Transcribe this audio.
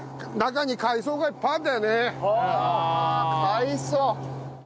ああ海藻。